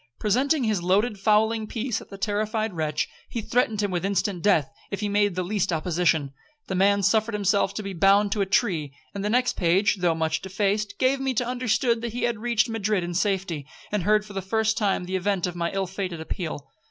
Presenting his loaded fowling piece at the terrified wretch, he threatened him with instant death, if he made the least opposition. The man suffered himself to be bound to a tree; and the next page, though much defaced, gave me to understand he had reached Madrid in safety, and heard for the first time the event of my ill fated appeal.